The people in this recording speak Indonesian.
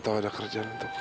atau ada kerjaan untukku